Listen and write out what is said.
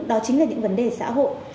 đó chính là những vấn đề xã hội